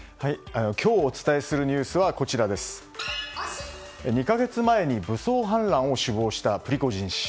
今日お伝えするニュースは２か月前に武装反乱を首謀したプリゴジン氏。